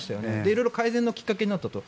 色々改善のきっかけになったと。